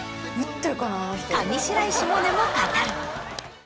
上白石萌音も語る。